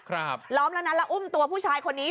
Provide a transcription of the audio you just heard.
ล้อมแล้วนะแล้วอุ้มตัวผู้ชายคนนี้